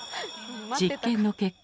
実験の結果